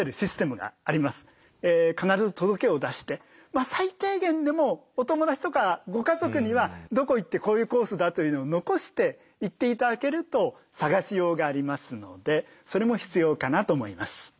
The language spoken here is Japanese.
必ず届けを出して最低限でもお友達とかご家族にはどこ行ってこういうコースだというのを残して行って頂けると捜しようがありますのでそれも必要かなと思います。